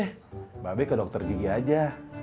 mbak abe ke dokter gigi aja